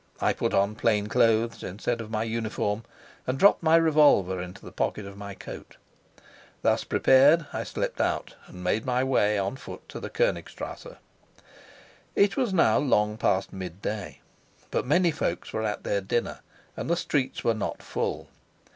I put on plain clothes instead of my uniform, and dropped my revolver into the pocket of my coat. Thus prepared, I slipped out and made my way on foot to the Konigstrasse. It was now long past midday, but many folks were at their dinner and the streets were not full.